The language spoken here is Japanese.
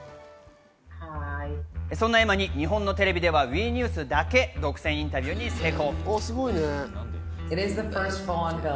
そんなエマに日本のテレビではＷＥニュースだけ独占インタビューに成功。